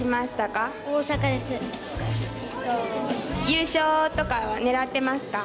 優勝とかは狙ってますか？